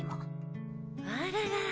あらら。